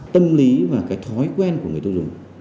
tâm lý và cái thói quen của người tiêu dùng